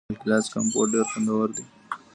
د ګیلاس کمپوټ ډیر خوندور وي.